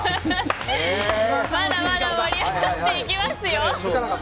まだまだ盛り上がっていきますよ。